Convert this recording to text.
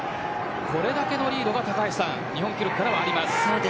これだけのリードが日本記録からはあります。